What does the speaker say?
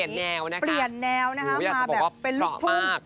เปลี่ยนแนวนะคะเปลี่ยนแนวนะคะมาแบบเป็นลูกทุ่ง